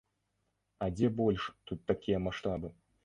А дзе больш тут такія маштабы?